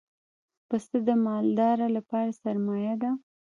پسه د مالدار لپاره سرمایه ده.